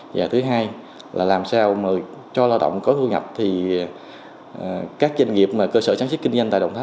và thứ hai là làm sao mà cho lao động có thu nhập thì các doanh nghiệp mà cơ sở sản xuất kinh doanh tại đồng tháp